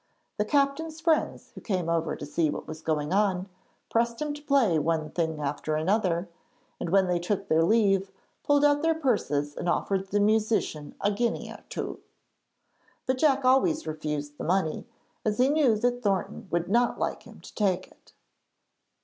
The captain's friends, who came over to see what was going on, pressed him to play one thing after another, and, when they took their leave, pulled out their purses and offered the musician a guinea or two. But Jack always refused the money, as he knew that Thornton would not like him to take it.